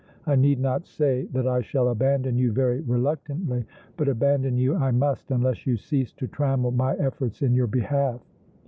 I need not say that I shall abandon you very reluctantly, but abandon you I must unless you cease to trammel my efforts in your behalf!"